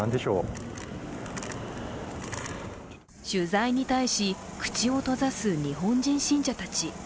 取材に対し、口を閉ざす日本人信者たち。